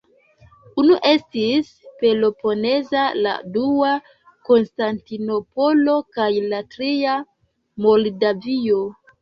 Unu estis Peloponezo, la dua Konstantinopolo kaj la tria Moldavio.